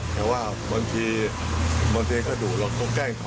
แต่ว่าบางทีก็ดูเราต้องแกล้งเขา